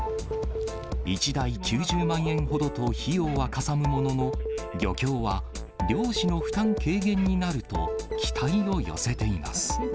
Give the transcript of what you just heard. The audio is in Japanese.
１台９０万円ほどと費用はかさむものの、漁協は、漁師の負担軽減になると期待を寄せています。